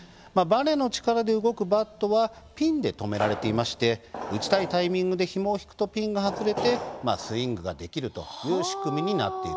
ばねの力で動くバットはピンで留められていまして打ちたいタイミングでひもを引くとピンが外れてスイングができるという仕組みです。